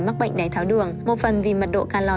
mắc bệnh đầy tháo đường một phần vì mật độ calor